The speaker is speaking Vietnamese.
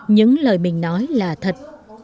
những lời mình nói là thật